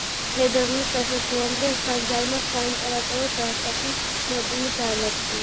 თებერვლის დასასრულამდე ხანძარმა საიმპერატორო სასახლის ნაწილი გაანადგურა.